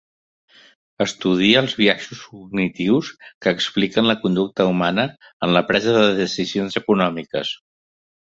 Estudia els biaixos cognitius que expliquen la conducta humana en la presa de decisions econòmiques.